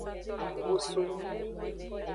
Busu.